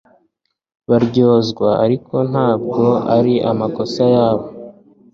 baryozwa, ariko ntabwo ari amakosa yabo